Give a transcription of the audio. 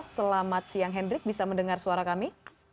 selamat siang hendrik bisa mendengar suara kami